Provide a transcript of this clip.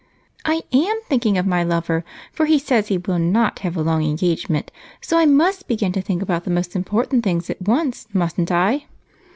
"I am thinking of my lover, for he says he will not have a long engagement, so I must begin to think about the most important things at once, mustn't I?"